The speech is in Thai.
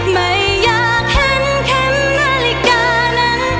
ไม่อยากเห็นแคมป์นาฬิกานั้น